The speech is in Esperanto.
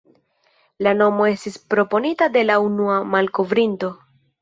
La nomo estis proponita de la unua malkovrinto.